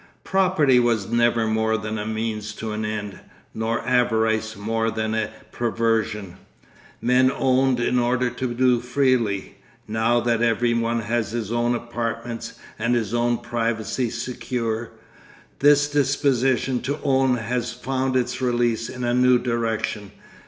Property was never more than a means to an end, nor avarice more than a perversion. Men owned in order to do freely. Now that every one has his own apartments and his own privacy secure, this disposition to own has found its release in a new direction.